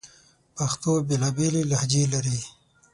پښتو بیلابیلي لهجې لري